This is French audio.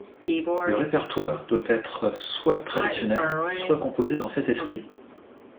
Le répertoire doit être soit traditionnel soit composé dans cet esprit.